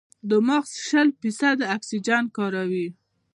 دماغ شل فیصده اکسیجن کاروي.